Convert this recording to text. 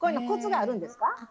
コツがあるんですか？